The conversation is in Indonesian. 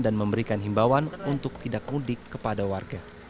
dan memberikan himbawan untuk tidak mudik kepada warga